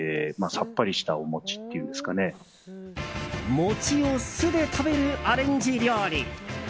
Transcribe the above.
餅を酢で食べるアレンジ料理。